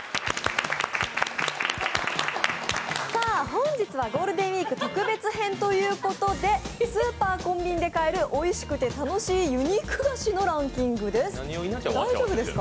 本日はゴールデンウイーク特別編ということでスーパー・コンビニで買える、おいしくて楽しいユニーク菓子のランキングです。